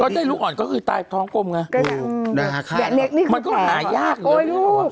ได้ลูกอ่อนก็คือตายท้องกลมไงมันก็หายากเลยลูก